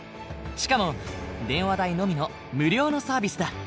しかも電話代のみの無料のサービスだ！